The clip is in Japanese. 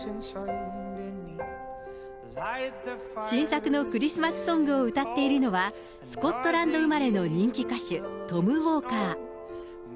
新作のクリスマスソングを歌っているのは、スコットランド生まれの人気歌手、トム・ウォーカー。